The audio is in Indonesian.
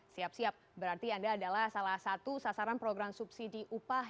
siap siap berarti anda adalah salah satu sasaran program subsidi upah